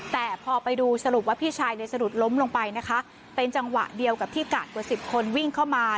แต่พอไปดูสรุปว่าพี่ชายในสะดุดล้มลงไปนะคะเป็นจังหวะเดียวกับที่กาดกว่าสิบคนวิ่งเข้ามา